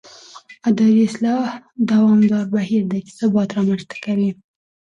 اداري اصلاح دوامداره بهیر دی چې ثبات رامنځته کوي